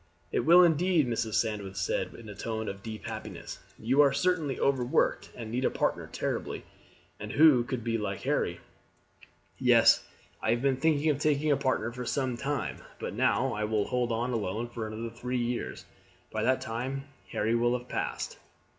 "It will indeed," Mrs. Sandwith said in a tone of deep happiness. "You are certainly overworked and need a partner terribly, and who could be like Harry?" "Yes, I have been thinking of taking a partner for some time, but now I will hold on alone for another three years. By that time Harry will have passed."